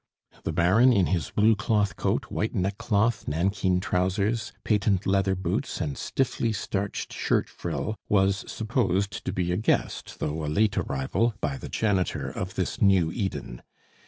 The Baron, in his blue cloth coat, white neckcloth, nankeen trousers, patent leather boots, and stiffly starched shirt frill, was supposed to be a guest, though a late arrival, by the janitor of this new Eden.